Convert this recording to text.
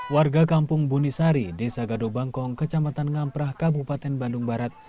warga kampung bunisari desa gaduh bangkok kecamatan ngamperah kabupaten bandung barat